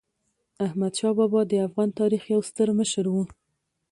احمدشاه بابا د افغان تاریخ یو ستر مشر و.